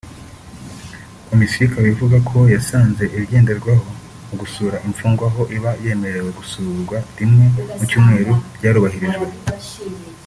Komisiyo ikaba ivuga ko yasanze ibigenderwaho mu gusura imfungwa aho iba yemerewe gusurwa rimwe mu cyumweru byarubahirije